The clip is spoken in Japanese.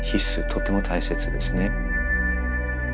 とても大切ですね。